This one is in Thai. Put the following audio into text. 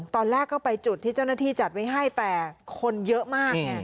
ตอนแรกก็ไปจุดที่เจ้าหน้าที่จัดไว้ให้แต่คนเยอะมากไง